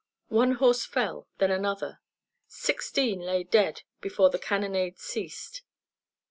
One horse fell, then another; sixteen lay dead before the cannonade ceased.